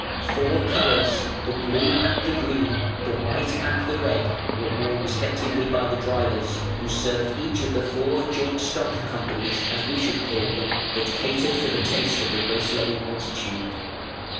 Four colours, the Blue and the Green, the White and the Red, were worn respectively by the drivers, who served each of the four joint stock companies (as we should call them) that catered for the taste of the race loving multitude.